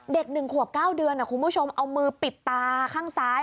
๑ขวบ๙เดือนคุณผู้ชมเอามือปิดตาข้างซ้าย